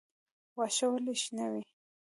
واښه ولې شنه وي؟